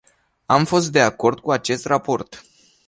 Am fost de acord cu acest raport.